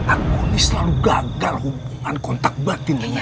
aku ini selalu gagal hubungan kontak batin dengan